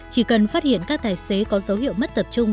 chỉ cần phát hiện các tài xế có dấu hiệu mất tập trung